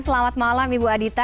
selamat malam ibu adita